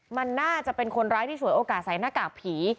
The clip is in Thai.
มันน่าจะเป็นคนร้ายที่ฉวยโอกาสใส่หน้ากากผี